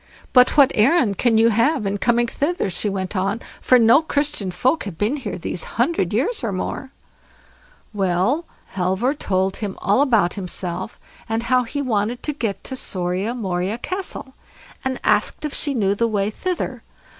"But what errand can you have in coming hither?" she went on, "for no Christian folk have been here these hundred years and more." Well, Halvor told her all about himself, and how he wanted to get to SORIA MORIA CASTLE, and asked if she knew the way thither.